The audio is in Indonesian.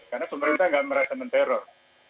karena pemerintah nggak merasa men teror